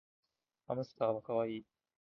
ハムスターはかわいい